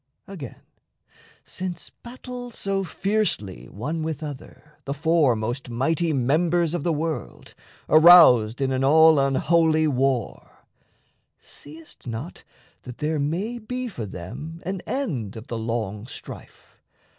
Again, since battle so fiercely one with other The four most mighty members the world, Aroused in an all unholy war, Seest not that there may be for them an end Of the long strife?